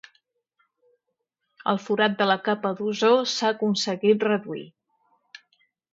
El forat de la capa d'ozó s'ha aconseguir reduir.